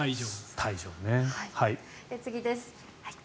次です。